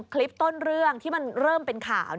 คลิปต้นเรื่องที่มันเริ่มเป็นข่าว